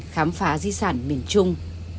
cảm phá di sản miền trung